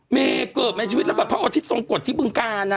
เม่เกิบมาชีวิตแล้วอภาคออธิส๑๙๘๑ที่ปรึงการนะ